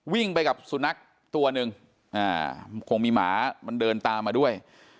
วิ่งไปกับสุนัขตัวหนึ่งคงมีหมามันเดินตามมาด้วย